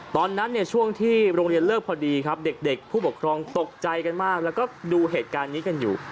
ตอนนั้นเนี่ยช่วงที่โรงเรียนเลิกพอดีครับเด็กผู้ปกครองตกใจกันมากแล้วก็ดูเหตุการณ์นี้กันอยู่